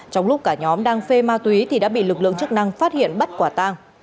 trong lúc cả nhóm đang phê ma túy thì đã bị lực lượng chức năng phát hiện bắt quả tang